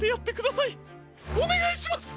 おねがいします！